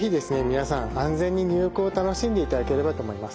皆さん安全に入浴を楽しんでいただければと思います。